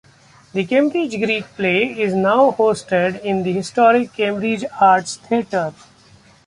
The Cambridge Greek Play is now hosted in the historic Cambridge Arts Theatre.